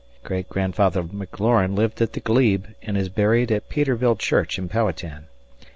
Great grandfather McLaurine lived at the glebe and is buried at Peterville Church in Powhatan.